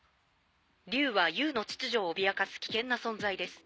竜はＵの秩序を脅かす危険な存在です。